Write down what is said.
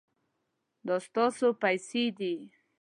دا ستاسو پیسې دي